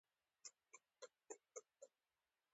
نو کور ته به څه خورې.